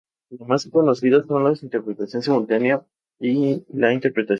Las más conocidas son la interpretación simultánea y la interpretación consecutiva.